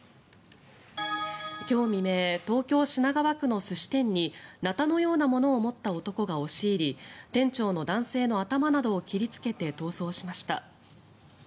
今日未明東京・品川区の寿司店にナタのようなものを持った男が押し入り店長の男性の頭などを切りつけて逃走しました。